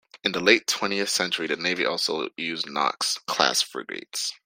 In the late twentieth century the navy also used "Knox"-class frigates.